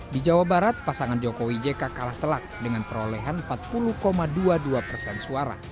di jawa barat pasangan jokowi jk kalah telak dengan perolehan empat puluh dua puluh dua persen suara